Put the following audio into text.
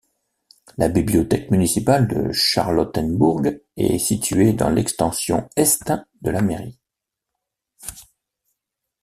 La bibliothèque municipale de Charlottenbourg est située dans l'extension est de la mairie.